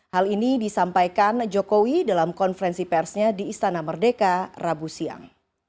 hal ini disampaikan jokowi dalam konferensi persnya di istana merdeka rabu siang